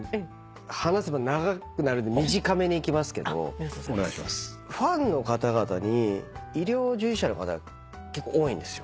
話せば長くなるんで短めにいきますけどファンの方々に医療従事者の方結構多いんです。